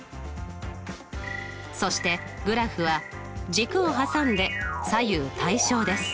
そしてグラフは軸を挟んで左右対称です。